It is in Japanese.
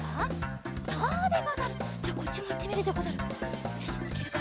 じゃこっちもいってみるでござる。